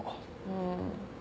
うん。